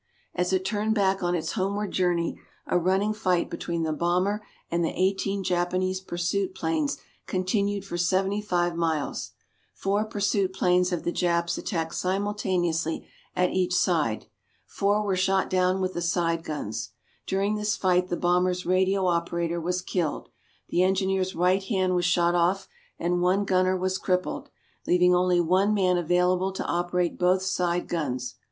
As it turned back on its homeward journey a running fight between the bomber and the eighteen Japanese pursuit planes continued for 75 miles. Four pursuit planes of the Japs attacked simultaneously at each side. Four were shot down with the side guns. During this fight, the bomber's radio operator was killed, the engineer's right hand was shot off, and one gunner was crippled, leaving only one man available to operate both side guns.